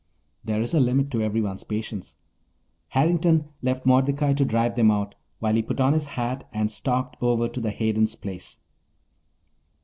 There is a limit to everyone's patience. Harrington left Mordecai to drive them out, while he put on his hat and stalked over to the Haydens' place.